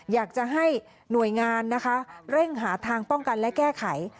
อยากจะให้หน่วยงานนะคะเร่งหาทางป้องกันและแก้ไข